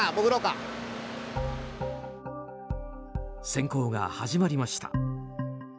潜行が始まりました。